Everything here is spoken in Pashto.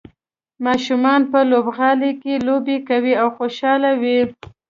ماشومان په لوبغالي کې لوبې کوي او خوشحاله وي.